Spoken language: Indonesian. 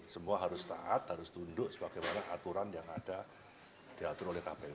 semua harus taat harus tunduk sebagaimana aturan yang ada diatur oleh kpu